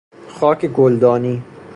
خاک گلدانی